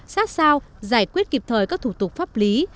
sát sao giải quyết kịp thời các thủ tục pháp lý